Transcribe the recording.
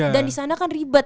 dan di sana kan ribet